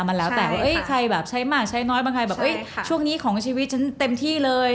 มันแล้วแต่ว่าใครแบบใช้มากใช้น้อยบางใครแบบช่วงนี้ของชีวิตฉันเต็มที่เลย